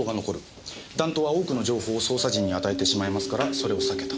弾頭は多くの情報を捜査陣に与えてしまいますからそれを避けた。